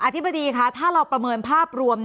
ธิบดีคะถ้าเราประเมินภาพรวม